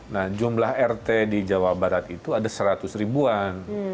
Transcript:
nah jumlah rt di jawa barat itu ada seratus ribuan